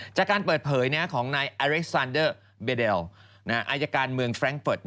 จากการเปิดเผยของนายอเล็กซานเดอร์เบเดลอายการเมืองแร้งเฟิร์ต